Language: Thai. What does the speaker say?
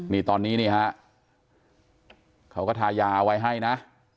นี่ตอนนี้นี่ฮะเขาก็ทายาไว้ให้นะ